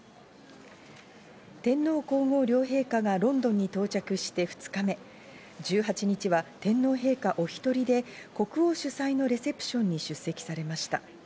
天皇皇后両陛下がロンドンに到着して２日目、１８日は天皇陛下お１人で国王主催のレセプションに出席されました。